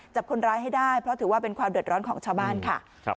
จับคนร้ายให้ได้เพราะถือว่าเป็นความเดือดร้อนของชาวบ้านค่ะ